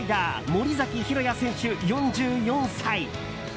森崎弘也選手、４４歳。